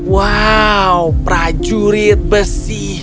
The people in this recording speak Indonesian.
wow prajurit besi